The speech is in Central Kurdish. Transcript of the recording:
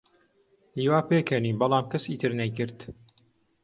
هیوا پێکەنی، بەڵام کەسی تر نەیکرد.